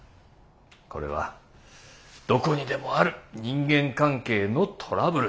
これはどこにでもある人間関係のトラブルですよ。